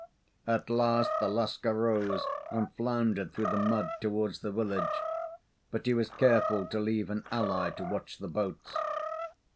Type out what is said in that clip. At last the Lascar rose and floundered through the mud towards the village, but he was careful to leave an ally to watch the boats.